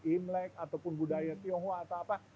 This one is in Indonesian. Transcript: imlek ataupun budaya tionghoa atau apa